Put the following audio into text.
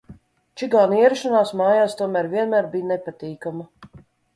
Čigānu ierašanās mājās tomēr vienmēr bija nepatīkama.